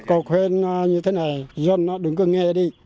cô khuyên như thế này dân đó đừng có nghe đi